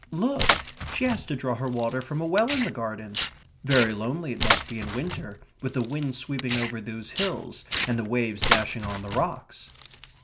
"Look she has to draw her water from a well in the garden." "Very lonely it must be in winter, with the wind sweeping over those hills, and the waves dashing on the rocks."